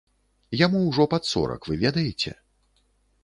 Яму ўжо пад сорак, вы ведаеце?